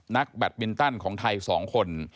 แบตมินตันของไทย๒คน